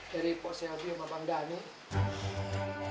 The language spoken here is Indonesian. dari pak sehadi sama bang dhani